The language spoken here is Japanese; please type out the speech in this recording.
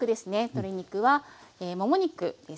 鶏肉はもも肉です。